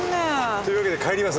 というわけで帰ります。